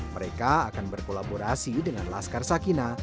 mereka akan berkolaborasi dengan laskar sakina